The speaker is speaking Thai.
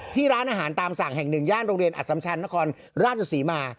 ร้านอาหารตามสั่งแห่งหนึ่งย่านโรงเรียนอัสสัมชันนครราชศรีมา